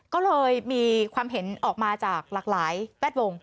ก็เลยมีความเห็นออกมาจากหลากหลายแวดวง